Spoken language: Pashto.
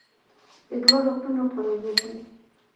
د لوړو غرونو پراوږو باندې